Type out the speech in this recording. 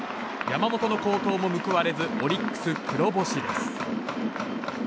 山本の好投も報われずオリックス黒星です。